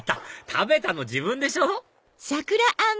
食べたの自分でしょ！